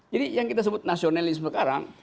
jadi yang kita sebut nasionalisme sekarang